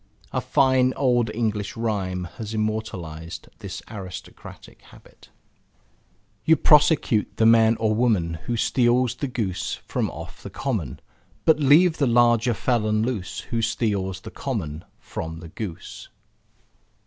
A fine old English rhyme has immortalized this easy aristocratic habit You prosecute the man or woman Who steals the goose from off the common, But leave the larger felon loose Who steals the common from the goose.